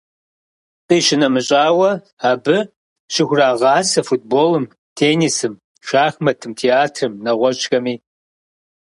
Къищынэмыщӏауэ, абы щыхурагъасэ футболым, теннисым, шахматым, театрым нэгъуэщӏхэми.